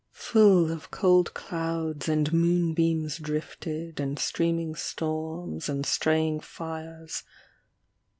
Full of cold clouds and moonbeams drifted And streaming storms and straying fires.